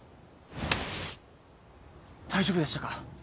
大丈夫でしたか？